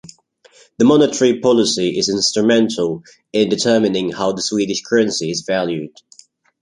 The monetary policy is instrumental in determining how the Swedish currency is valued.